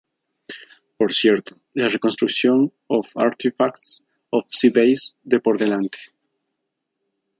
Por cierto, la "reconstrucción of "artifacts"of c-base de por delante.